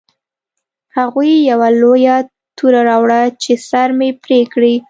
هغوی یوه لویه توره راوړه چې سر مې پرې کړي